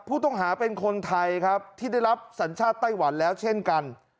ผู้ต้องหาเป็นคนไทยครับที่ได้รับสัญชาติไต้หวันแล้วเช่นกัน